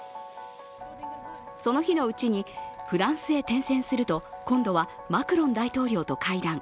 その日のうちにフランスへ転戦すると、今度はマクロン大統領と会談。